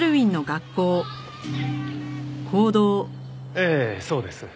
ええそうです。